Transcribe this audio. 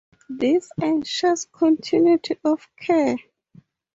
This ensures continuity of care.